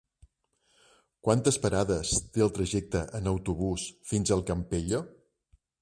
Quantes parades té el trajecte en autobús fins al Campello?